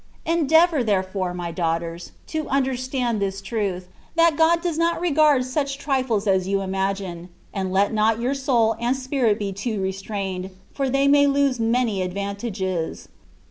Endeavour, therefore, my daughters, to under stand this truth, that God does not regard such trifles as you imagine ; and let not your soul and spirit be too restrained, for they may lose many advantages.